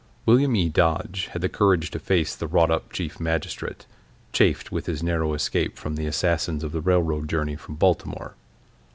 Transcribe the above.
William E. Dodge had the courage to face the wrought up Chief Magistrate, chafed with his narrow escape from the assassins of the railroad journey from Baltimore.